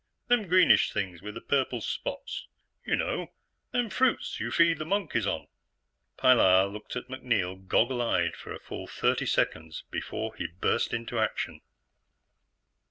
Them greenish things with the purple spots. You know them fruits you feed the monkeys on." Pilar looked at MacNeil goggle eyed for a full thirty seconds before he burst into action.